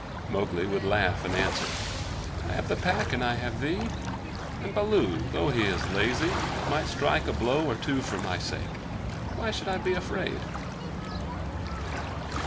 Mowgli would laugh and answer: "I have the Pack and I have thee; and Baloo, though he is so lazy, might strike a blow or two for my sake. Why should I be afraid?"